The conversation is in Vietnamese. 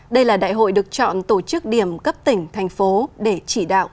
đây là đại hội được chọn tổ chức điểm cấp tỉnh thành phố để chỉ đạo